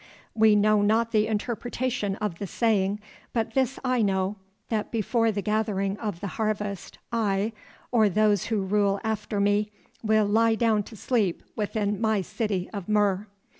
We know not the interpretation of the saying, but this I know, that before the gathering of the harvest I, or those who rule after me, will lie down to sleep within my city of Mur.